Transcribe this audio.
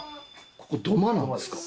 ここ土間なんですか。